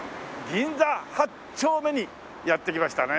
銀座８丁目にやって来ましたね。